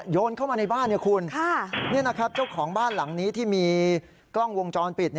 โยนเข้ามาในบ้านคุณนี่นะครับเจ้าของบ้านหลังนี้ที่มีกล้องวงจรปิด